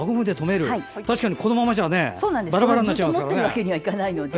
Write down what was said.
確かに、このままじゃバラバラになっちゃいますからね。